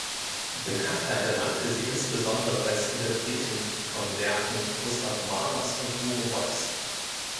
Bekanntheit erlangte sie insbesondere als Interpretin von Werken Gustav Mahlers und Hugo Wolfs.